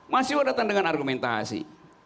mahasiswa datang dengan argumentasi